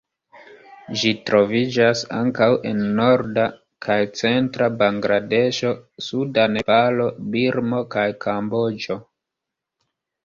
Ĝi troviĝas ankaŭ en norda kaj centra Bangladeŝo, suda Nepalo, Birmo kaj Kamboĝo.